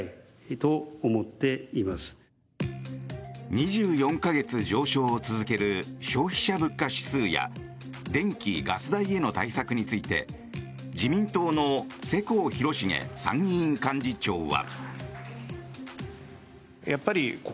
２４か月上昇を続ける消費者物価指数や電気・ガス代への対策について自民党の世耕弘成参院幹事長は。